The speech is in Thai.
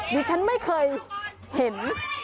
ดิฉันไม่เคยเห็น